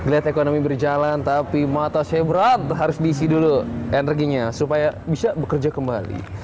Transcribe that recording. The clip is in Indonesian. lihat ekonomi berjalan tapi mata saya berat harus diisi dulu energinya supaya bisa bekerja kembali